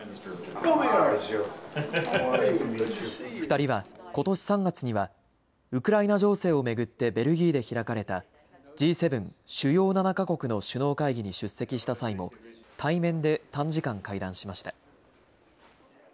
２人はことし３月には、ウクライナ情勢を巡ってベルギーで開かれたＧ７・主要７か国の首脳会議に出席した際も、対面で短時間、会談しました。